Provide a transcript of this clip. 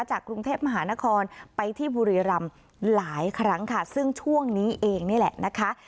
กรุงเทพมหานครไปที่บุรีรำหลายครั้งค่ะซึ่งช่วงนี้เองนี่แหละนะคะ